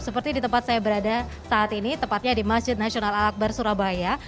seperti di tempat saya berada saat ini tepatnya di masjid nasional al akbar surabaya